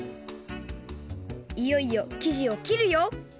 いよいよ生地をきるよ！